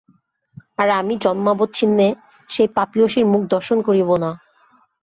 আর আমি জন্মাবচ্ছিন্নে সেই পাপীয়সীর মুখ দর্শন করিব না।